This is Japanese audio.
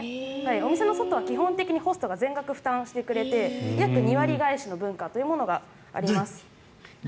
お店の外は基本的にホストが全額負担してくれて約２割返しの文化があります。